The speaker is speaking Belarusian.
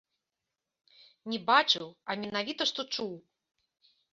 Не бачыў, а менавіта што чуў.